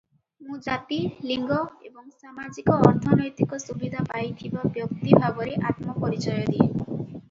ମୁଁ ଜାତି, ଲିଙ୍ଗ ଏବଂ ସାମାଜିକ-ଅର୍ଥନୈତିକ ସୁବିଧା ପାଇଥିବା ବ୍ୟକ୍ତି ଭାବରେ ଆତ୍ମପରିଚୟ ଦିଏ ।